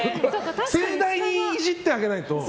盛大にイジってあげないと。